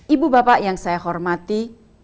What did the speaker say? ibu bapak yang saya hormati